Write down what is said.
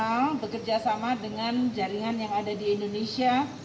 jaringan internasional bekerjasama dengan jaringan yang ada di indonesia